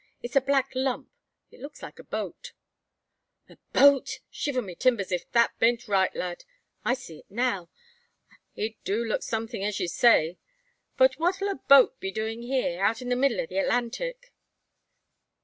It's a black lump; it looks like a boat." "A boat! Shiver my timbers if thee bean't right, lad. I see it now. It do look somethin' as you say. But what ul a boat be doin' here, out in the middle o' the Atlantic?"